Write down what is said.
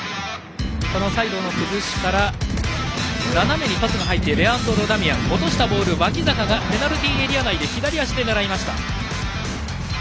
サイドの崩しから斜めにパスが入ってレアンドロ・ダミアン落としたボールを脇坂がペナルティーエリア内で左足で狙いました。